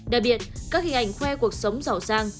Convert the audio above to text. đặc biệt các hình ảnh khoe cuộc sống giàu sang